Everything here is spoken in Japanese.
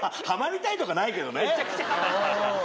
めちゃくちゃハマりたい。